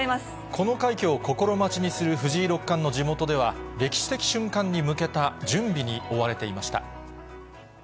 この快挙を心待ちにする藤井六冠の地元では、歴史的瞬間に向けた準備に追われていました。